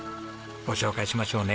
ご紹介しましょうね。